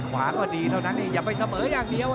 ขวาก็ดีเท่านั้นเองอย่าไปเสมออย่างเดียว